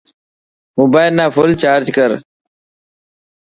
موبال نا ڦل چارج ڪر.